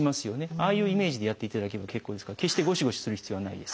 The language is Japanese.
ああいうイメージでやっていただければ結構ですから決してごしごしする必要はないです。